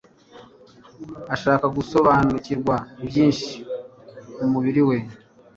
ashaka gusobanukirwa byinshi ku mubiri we.